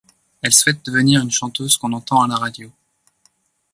Elle souhaite devenir une chanteuse qu'on entend à la radio.